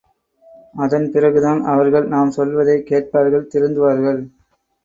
அதன் பிறகுதான் அவர்கள் நாம் சொல்வதைக் கேட்பார்கள் திருந்துவார்கள்.